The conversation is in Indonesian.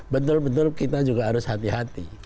betul betul kita juga harus hati hati